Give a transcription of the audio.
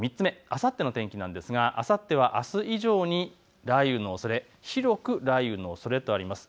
あさっての天気なんですがあさってはあす以上に雷雨のおそれ、広く雷雨のおそれとあります。